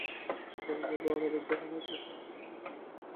শিকারীগুলো আমাকে ধরার আগে, ওটা আমাকে দেখেছিল।